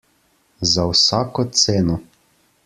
Za vsako ceno.